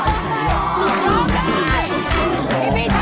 ลูกคุณตัวตัว